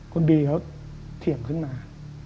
คุณบีเขาเถียงขึ้นมา